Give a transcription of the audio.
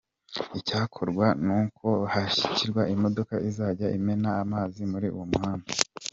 Icyakorwa n’uko hashakishwa imodoka ikazajya imena amazi muri uwo muhanda.